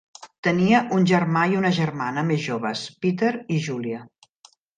Tenia un germà i una germana més joves, Peter i Julia.